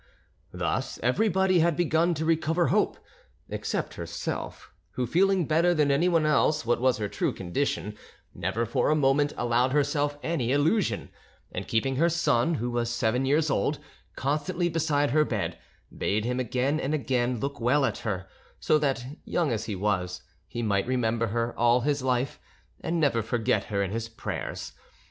Thus everybody had begun to recover hope, except herself, who, feeling better than anyone else what was her true condition, never for a moment allowed herself any illusion, and keeping her son, who was seven years old, constantly beside her bed, bade him again and again look well at her, so that, young as he was, he might remember her all his life and never forget her in his prayers.